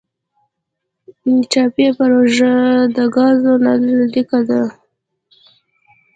ټاپي پروژه د ګازو نل لیکه ده